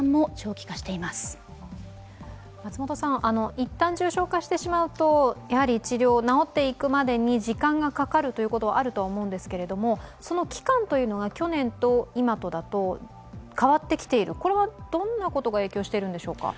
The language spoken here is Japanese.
一旦重症化してしまうと治療、治っていくために時間がかかるということはあるとは思うんですけれどもその期間は去年と今とだと変わってきている、これはどんなことが影響しているんでしょうか？